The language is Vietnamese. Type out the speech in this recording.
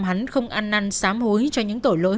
hắn không ăn năn xám hối cho những tổ lỗi